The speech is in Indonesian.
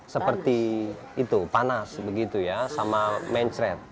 seperti itu panas begitu ya sama mencret